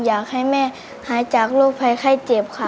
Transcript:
อยากให้แม่หายจากโรคภัยไข้เจ็บค่ะ